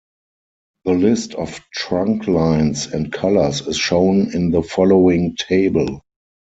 The list of trunk lines and colors is shown in the following table.